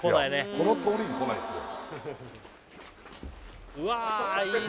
この通りに来ないっすよ